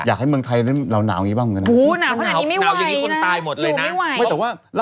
อยากให้เมืองไทยเรานาวอย่างนี้บ้างมึงนะ